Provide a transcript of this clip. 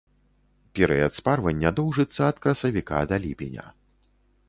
Перыяд спарвання доўжыцца ад красавіка да ліпеня.